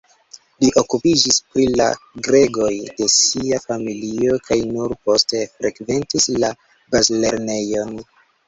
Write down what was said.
Li okupiĝis pri la gregoj de sia familio kaj nur poste frekventis la bazlernejon.